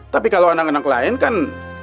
tapi kalau anak anak lain kan